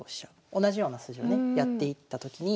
同じような筋をねやっていったときに。